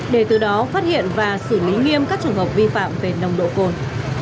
để từ đó phát hiện và xử lý nghiêm các trường hợp vi phạm về nồng độ cồn